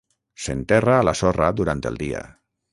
S'enterra a la sorra durant el dia.